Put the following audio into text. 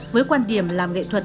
với quan điểm làm nghệ thuật